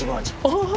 ああ！